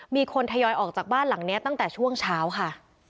มีคนทยอยออกจากบ้านหลังนี้ตั้งแต่ช่วงเช้าค่ะ